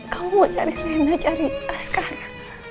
kamu mau cari rena cari askara